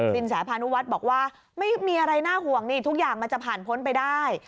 แสพานุวัฒน์บอกว่าไม่มีอะไรน่าห่วงนี่ทุกอย่างมันจะผ่านพ้นไปได้